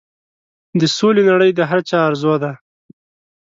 د سولې نړۍ د هر چا ارزو ده.